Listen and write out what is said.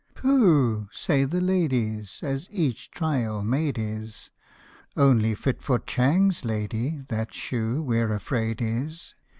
" Pooh !" say the ladies, as each trial made is, " Only fit for Chang's lady, that shoe, we 're afraid, is.